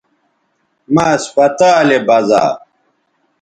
مہ اسپتالے بزا